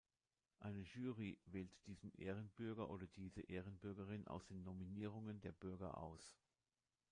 Eine Jury wählt diesen Ehrenbürger oder diese Ehrenbürgerin aus den Nominierungen der Bürger aus.